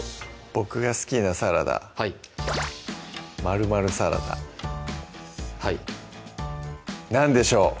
僕が好きなサラダはい○○サラダはい何でしょう？